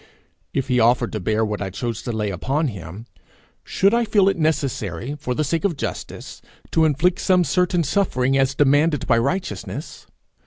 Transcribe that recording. If he offered to bear what I chose to lay upon him, should I feel it necessary, for the sake of justice, to inflict some certain suffering as demanded by righteousness?